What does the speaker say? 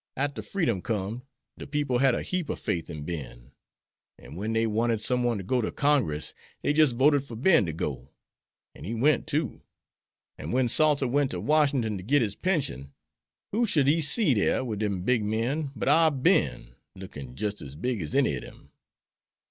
Arter freedom com'd, de people had a heap of fath in Ben; an' wen dey wanted some one to go ter Congress dey jist voted for Ben ter go. An' he went, too. An' wen Salters went to Washin'ton to git his pension, who should he see dere wid dem big men but our Ben, lookin' jist as big as any ob dem."